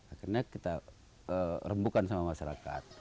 akhirnya kita rembukan sama masyarakat